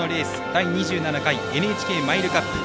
第２７回ＮＨＫマイルカップ。